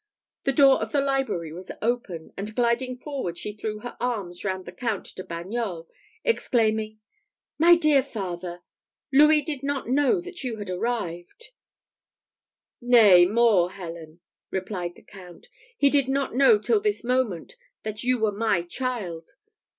The door of the library was open, and gliding forward, she threw her arms round the Count de Bagnols, exclaiming, "My dear father, Louis did not know that you had arrived." "Nay, more, Helen," replied the Count, "he did not know till this moment that you were my child.